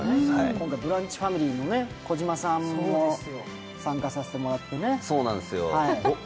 今回ブランチファミリーの児嶋さんも参加させてもらって。